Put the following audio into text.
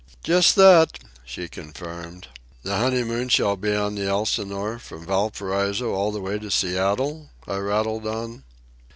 "Just that," she confirmed. "The honeymoon shall be on the Elsinore from Valparaiso all the way to Seattle?" I rattled on.